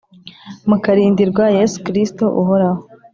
mukarindirwa yesu kristo uhoraho